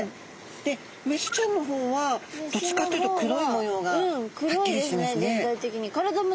でメスちゃんの方はどっちかっていうと黒い模様がはっきりしてますね。